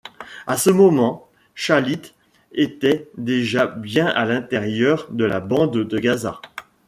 À ce moment, Shalit était déjà bien à l'intérieur de la bande de Gaza.